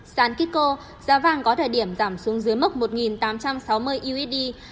sản kiko giá vàng có thời điểm giảm xuống dưới mức một tám trăm sáu mươi usd